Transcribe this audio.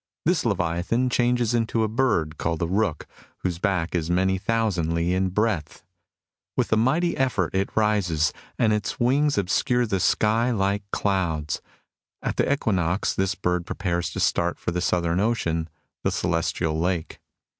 This Leviathan changes into a bird, called the Rukh, whose back is many thousand li in breadth. With a mighty effort it rises, and its wings ob scure the sky like clouds. At the equinox, this bird prepares to start for the southern ocean, the Celestial Lake.